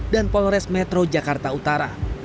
dan polres metro jakarta utara